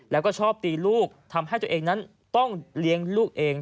แล้วก็ชอบตีลูกทำให้ตัวเองนั้นต้องเลี้ยงลูกเอง